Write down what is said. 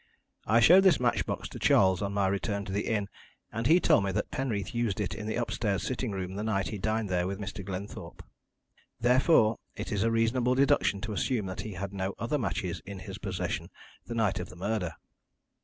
"I showed this match box to Charles on my return to the inn, and he told me that Penreath used it in the upstairs sitting room the night he dined there with Mr. Glenthorpe. Therefore, it is a reasonable deduction to assume that he had no other matches in his possession the night of the murder.